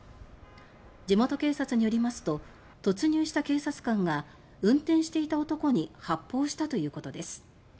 地元警察によりますと突入した警察官が運転していた男に発砲したということです。